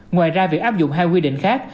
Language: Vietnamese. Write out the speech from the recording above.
ngoài ra việc áp dụng hai quy định khác